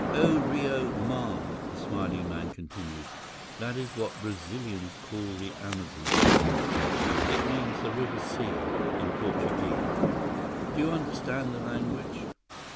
"O Rio Mar," the smiling man continued. "That is what Brazilians call the Amazon. It means 'The River Sea' in Portuguese. Do you understand the language?"